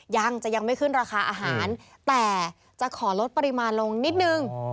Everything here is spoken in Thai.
ยังจะยังไม่ขึ้นราคาอาหารแต่จะขอลดปริมาณลงนิดนึง